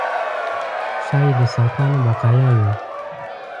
ښایي د ساکانو بقایاوي.